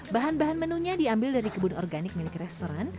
bahan bahan menunya diambil dari kebun organik milik restoran